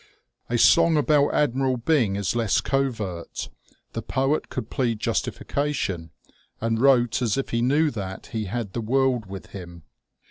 A song about Admiral Byng is less covert. The poet could plead justification, and wrote as if he knew that he had the world with him.